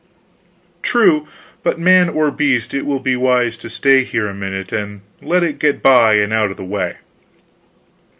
"True. But man or beast, it will be wise to stay here a minute and let it get by and out of the way."